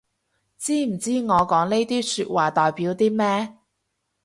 知唔知我講呢啲說話代表啲咩